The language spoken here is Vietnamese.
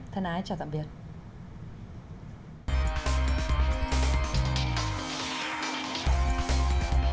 thân ái chào tạm biệt